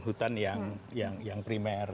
sistem hutan yang primer